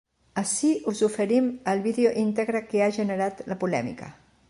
Ací us oferim el vídeo íntegre que ha generat la polèmica.